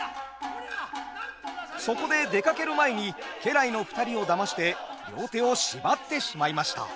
そこで出かける前に家来の２人をだまして両手を縛ってしまいました。